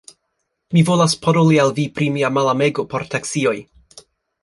Mi volas paroli al vi pri mia malamego por taksioj.